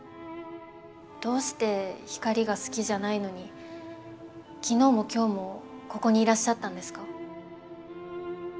どうして光が好きじゃないのに昨日も今日もここにいらっしゃったんですか？